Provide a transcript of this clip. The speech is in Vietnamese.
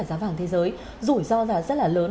giá vàng thế giới rủi ro là rất là lớn